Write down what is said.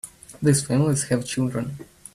These families have children.